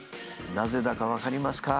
なぜだか分かりますか？